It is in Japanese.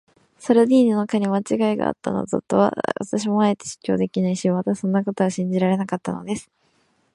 ソルディーニの課にまちがいがあったなどとは、私もあえて主張できないし、またそんなことは信じられなかったのです。